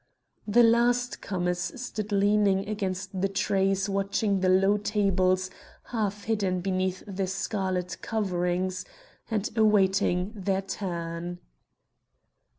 The last comers stood leaning against the trees watching the low tables half hidden beneath the scarlet coverings, and awaiting their turn.